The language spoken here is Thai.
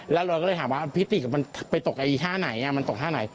แล้วเราก็เลยถามว่าพี่ติมันไปตกไอ้ท่าไหนมันตกท่าไหน